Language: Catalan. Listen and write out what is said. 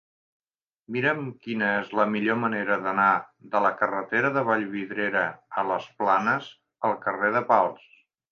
Mira'm quina és la millor manera d'anar de la carretera de Vallvidrera a les Planes al carrer de Pals.